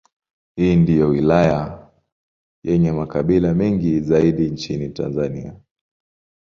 Hii ndiyo wilaya yenye makabila mengi zaidi nchini Tanzania.